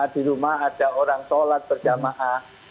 di rumah ada orang sholat berjamaah